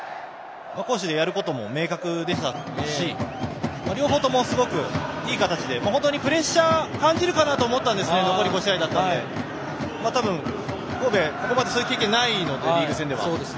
攻守でやることは明確でしたし両方ともすごくいい形で本当にプレッシャー感じるかなと思ったんですが神戸、ここまでそういう経験がないのでリーグ戦では。